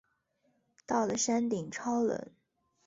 到了山顶超冷